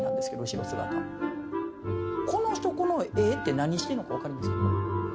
後ろ姿この人この絵って何してんのか分かりますか？